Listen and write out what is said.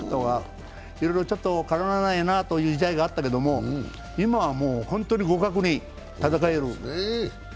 いろいろとかなわないなという時代があったけど今はもう本当に互角に戦える。